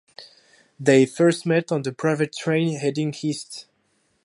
They first met on their private train heading east.